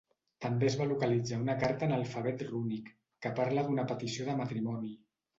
També es va localitzar una carta en alfabet rúnic, que parla d'una petició de matrimoni.